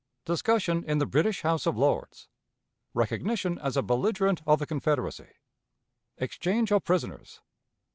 Discussion in the British House of Lords. Recognition as a Belligerent of the Confederacy. Exchange of Prisoners.